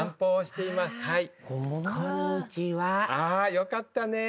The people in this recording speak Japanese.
よかったね。